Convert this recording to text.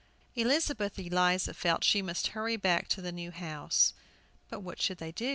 Elizabeth Eliza felt she must hurry back to the new house. But what should they do?